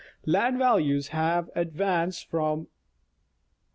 Land values have advanced from 11.